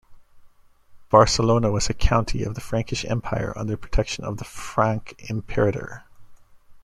Barcelona was a County of the Frankish Empire, under protection of the Franc Imperator.